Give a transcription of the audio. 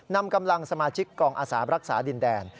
นำกำลังสมาชิกกองอาสารักษาดินแดน